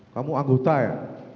kamu anggota ya